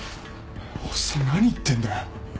おっさん何言ってんだよ。